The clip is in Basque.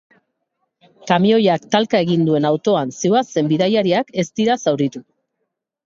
Kamioiak talka egin duen autoan zihoazen bidaiariak ez dira zauritu.